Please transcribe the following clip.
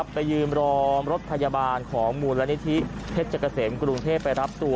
ไปยืมรอรถพยาบาลของมูลนิธิเพชรเกษมกรุงเทพไปรับตัว